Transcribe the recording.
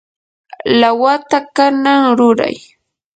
lawata kanan ruray.